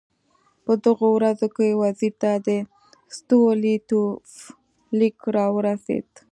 په دغو ورځو کې وزیر ته د ستولیتوف لیک راورسېد.